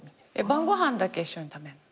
晩ご飯だけ一緒に食べんの？